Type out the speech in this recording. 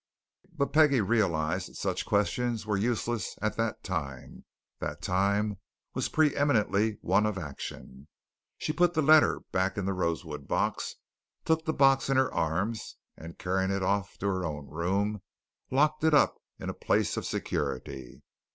But Peggie realized that such questions were useless at that time that time was pre eminently one of action. She put the letter back in the rosewood box, took the box in her arms, and carrying it off to her own room, locked it up in a place of security.